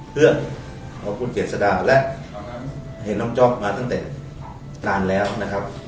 เพื่อนของคุณเจษดาและเห็นน้องจ๊อปมาตั้งแต่นานแล้วนะครับ